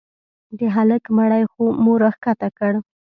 د هلك مړى مو راكښته كړ.